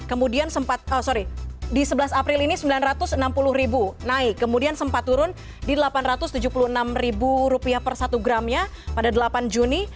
kemudian di sebelas april ini rp sembilan ratus enam puluh naik kemudian sempat turun di rp delapan ratus tujuh puluh enam per satu gramnya pada delapan juni